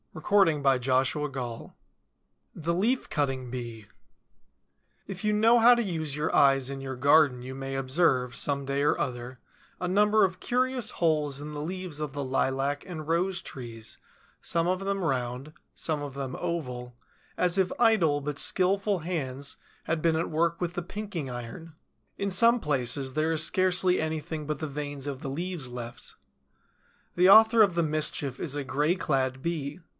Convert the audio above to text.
CHAPTER VI THE LEAF CUTTING BEE If you know how to use your eyes in your garden you may observe, some day or other, a number of curious holes in the leaves of the lilac and rose trees, some of them round, some of them oval, as if idle but skillful hands had been at work with the pinking iron. In some places there is scarcely anything but the veins of the leaves left. The author of the mischief is a gray clad Bee.